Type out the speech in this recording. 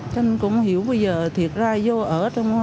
chứ cũng không hiểu bây giờ thiệt ra vô ở